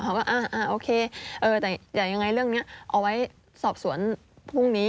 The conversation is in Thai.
เราว่าคุณค่ะแต่อย่างไรเราเอาไว้สอบส้วนพรุ่งนี้